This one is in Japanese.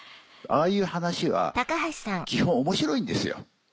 ああいう話は基本面白いんですよ。